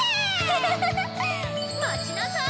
待ちなさい！